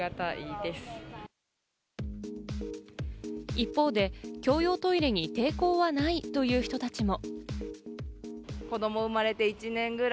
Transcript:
一方で共用トイレに抵抗はないという人たちも。